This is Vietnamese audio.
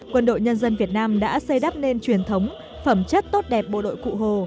quân đội nhân dân việt nam đã xây đắp nên truyền thống phẩm chất tốt đẹp bộ đội cụ hồ